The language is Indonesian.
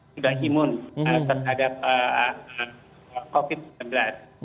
sudah imun terhadap covid sembilan belas